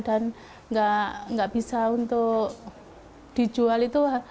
dan tidak bisa untuk dijual itu